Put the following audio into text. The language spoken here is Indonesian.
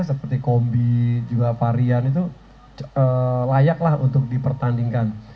seperti kombi juga varian itu layaklah untuk dipertandingkan